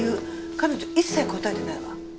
彼女一切答えてないわ。